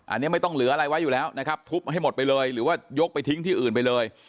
อันนี้ไม่ต้องเหลืออะไรไว้อยู่แล้วนะครับทุบให้หมดไปเลยหรือว่ายกไปทิ้งที่อื่นไปเลย